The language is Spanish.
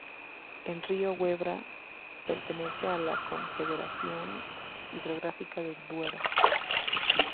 El río Huebra pertenece a la Confederación Hidrográfica del Duero.